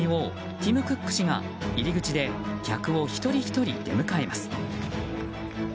ティム・クック氏が入り口で客を一人ひとり出迎えます。